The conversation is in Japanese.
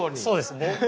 そうです。